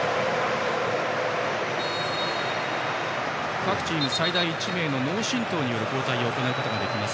各チーム最大１名の脳震とうによる交代を行うことができます。